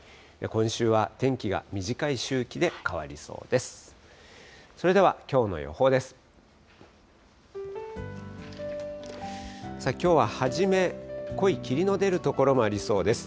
今週は天気が短い周期で変わりそうです。